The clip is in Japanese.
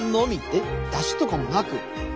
えっ？だしとかもなく？